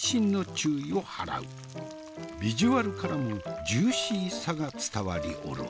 ビジュアルからもジューシーさが伝わりおるわ。